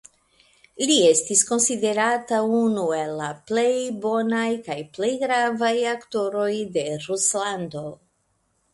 Li estas konsiderata unu el la plej bonaj kaj plej gravaj aktoroj de Ruslando.